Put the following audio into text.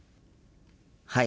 はい。